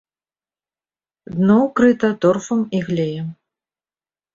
Дно ўкрыта торфам і глеем.